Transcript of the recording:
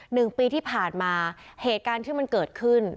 หนึ่งปีที่ผ่านมาเหตุการณ์ที่มันเกิดขึ้น